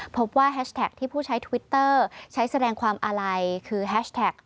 แฮชแท็กที่ผู้ใช้ทวิตเตอร์ใช้แสดงความอาลัยคือแฮชแท็ก